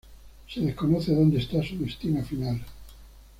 Se desconoce dónde está su destino final.